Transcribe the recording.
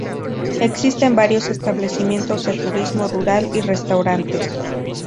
Existen varios establecimientos de turismo rural y restaurantes.